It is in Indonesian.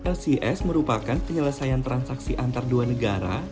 lcs merupakan penyelesaian transaksi antar dua negara